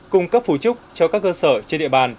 cung cấp phủ trúc cho các cơ sở trên địa bàn